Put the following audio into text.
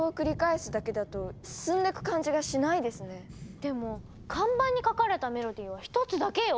でも看板に書かれたメロディーは１つだけよ？